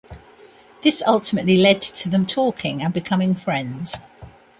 This ultimately led to them talking and becoming friends.